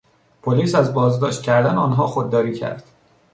پلیس از بازداشت کردن آنها خودداری کرد.